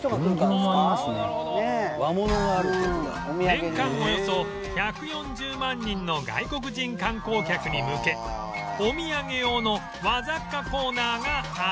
年間およそ１４０万人の外国人観光客に向けお土産用の和雑貨コーナーがある